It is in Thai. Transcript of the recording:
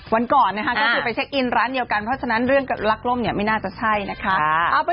วันก่อนนะคะก็คือไปเช็คอินร้านเดียวกันเพราะฉะนั้นเรื่องลักล่มเนี่ยไม่น่าจะใช่นะคะ